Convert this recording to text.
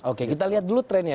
oke kita lihat dulu trennya